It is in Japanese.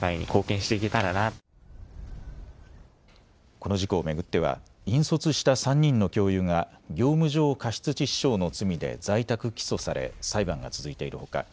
この事故を巡っては引率した３人の教諭が業務上過失致死傷の罪で在宅起訴され裁判が続いているほか